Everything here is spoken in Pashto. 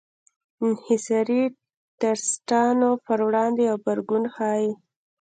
انحصاري ټرستانو پر وړاندې غبرګون ښيي.